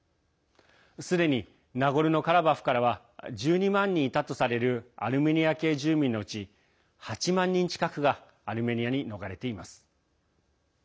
すでにナゴルノカラバフからは１２万人いたとされるアルメニア系住民のうち８万人近くがアルメニアに逃れています。